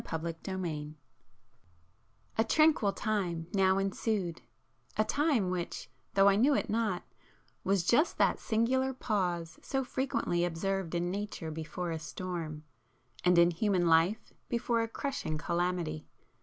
[p 342]XXIX A tranquil time now ensued; a time which, though I knew it not, was just that singular pause so frequently observed in nature before a storm, and in human life before a crushing calamity.